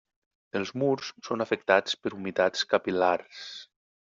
Els murs són afectats per humitats capil·lars.